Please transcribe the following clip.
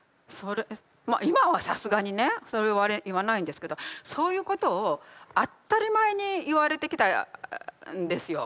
まあ今はさすがにねそれは言わないんですけどそういうことを当たり前に言われてきたんですよ。